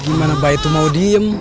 gimana bayi itu mau diem